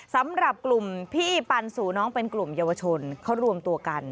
สำหรับกลุ่มพี่ปันสู่น้องเป็นกลุ่มเยาวชนเขารวมตัวกัน